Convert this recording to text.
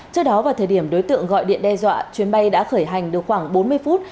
trước đó vào thời điểm đối tượng gọi điện đe dọa chuyến bay đã khởi hành được khoảng bốn mươi phút